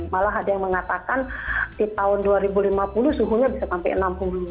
malah ada yang mengatakan di tahun dua ribu lima puluh suhunya bisa sampai enam puluh